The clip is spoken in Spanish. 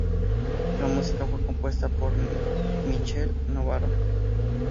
La música fue compuesta por Michele Novaro.